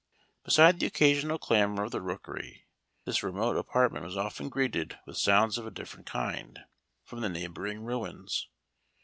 Beside the occasional clamor of the rookery, this remote apartment was often greeted with sounds of a different kind, from the neighboring ruins.